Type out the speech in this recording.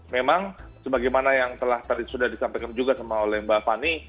memang sebagaimana yang tadi sudah disampaikan juga oleh mbak manny